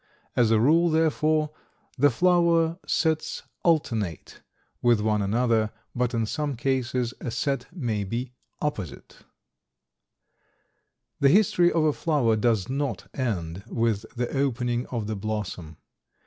As a rule, therefore, the flower sets alternate with one another, but in some cases a set may be opposite. The history of a flower does not end with the opening of the blossom.